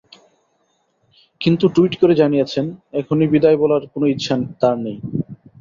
কিন্তু টুইট করে জানিয়েছেন, এখনই বিদায় বলার কোনো ইচ্ছা তাঁর নেই।